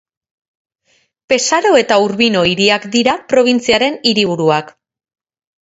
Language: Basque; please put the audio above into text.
Pesaro eta Urbino hiriak dira probintziaren hiriburuak.